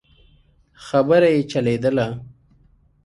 خبره يې چلېدله.